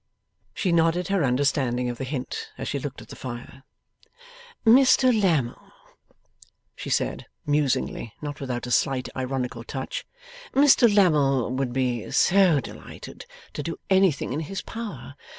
She nodded her understanding of the hint, as she looked at the fire. 'Mr Lammle,' she said, musingly: not without a slight ironical touch: 'Mr Lammle would be so delighted to do anything in his power.